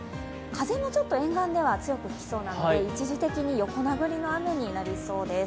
風もちょっと沿岸では強く吹きそうなので一時的に横殴りの雨になりそうです。